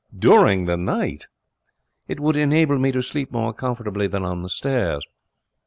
'During the night!' 'It would enable me to sleep more comfortably than on the stairs.'